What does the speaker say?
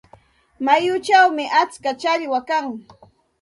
Mayuchawmi atska challwa kan.